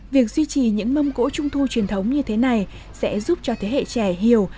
việc duy trì những mâm cỗ trung thu truyền thống như thế này sẽ giúp cho thế hệ trẻ hiểu